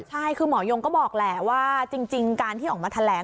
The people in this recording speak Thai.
ใช่คือหมอยงก็บอกแหละว่าจริงการที่ออกมาแถลง